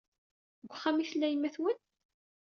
Deg uxxam ay tella yemma-twen?